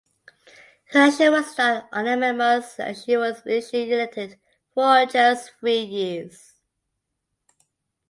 Her election was not unanimous and she was initially elected for just three years.